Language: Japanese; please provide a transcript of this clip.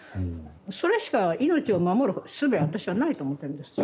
それしかいのちを守るすべは私はないと思ってるんです。